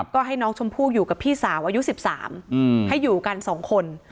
ก็ให้น้องชมพู่อยู่กับพี่สาวอายุ๑๓ให้อยู่กัน๒คน